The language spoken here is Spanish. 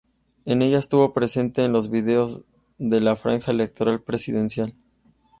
En ella estuvo presente en los videos de la franja electoral presidencial.